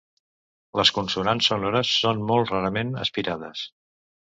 Les consonants sonores són molt rarament aspirades.